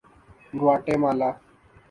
گواٹے مالا